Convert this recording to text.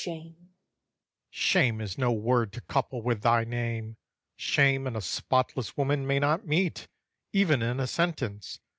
Shame and a spotless woman may not meet, Even in a sentence.